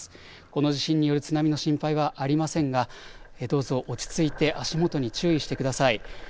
この地震による津波の心配はありませんが、どうぞ落ち着いて足元に注意してください。